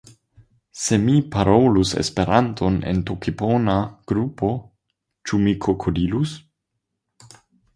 Se mi parolus Esperanton en tokipona grupo, ĉu mi krokodilus?